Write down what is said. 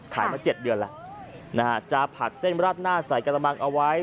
มา๗เดือนแล้วนะฮะจะผัดเส้นราดหน้าใส่กระมังเอาไว้